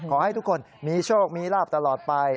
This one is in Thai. ขอให้ทุกคนมีโชคมีลาบตลอดไป